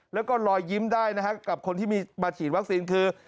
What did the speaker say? แล้วก็ลอยยิ้มได้นะครับกับคนที่มีมาฉีดวัคซีนคือ